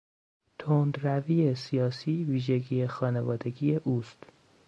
تندروی سیاسی، ویژگی خانوادگی اوست.